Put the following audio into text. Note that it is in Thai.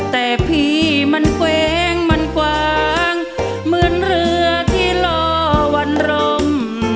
แต่พี่มันแกว้งมันกวางเหมือนเรือที่รอวันรม